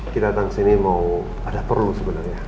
kita datang kesini mau ada perlu sebenernya